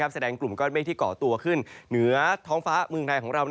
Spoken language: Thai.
แสดงกลุ่มก้อนเมฆที่เกาะตัวขึ้นเหนือท้องฟ้าเมืองไทยของเรา